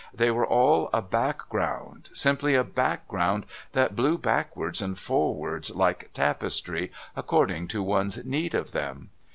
They were all a background, simply a background that blew backwards and forwards like tapestry according to one's need of them.